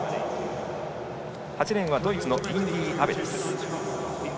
８レーンがドイツのリンディ・アベ。